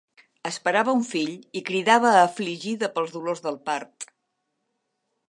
Esperava un fill i cridava afligida pels dolors del part.